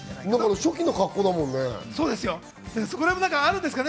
初期の格好だよね。